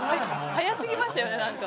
早すぎましたよね何か。